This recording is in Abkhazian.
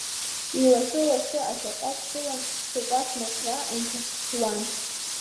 Илаша-лашо ашәахәа сԥылан, сыкәа-смаӷра инҭаҳәуан.